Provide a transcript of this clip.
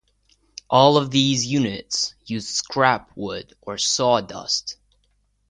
All of these units used scrap wood or sawdust.